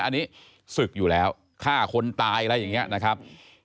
อันนี้ศึกอยู่แล้วฆ่าคนตายอะไรอย่างนี้นะครับ